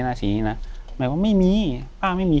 อยู่ที่แม่ศรีวิรัยิลครับ